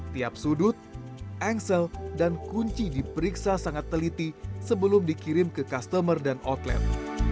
tiap sudut engsel dan kunci diperiksa sangat teliti sebelum dikirim ke customer dan outlet